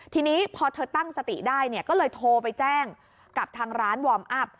ทีนี้พอเธอตั้งสติได้เนี่ยก็เลยโทรไปแจ้งกับทางร้านวอร์มอัพ